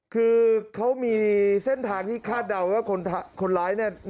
คือเขามีเส้นทางที่คาดเดาว่าคนร้ายเนี่ย